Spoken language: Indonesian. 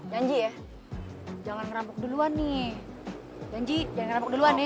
janji ya jangan rampuk duluan nih janji jangan dulu nih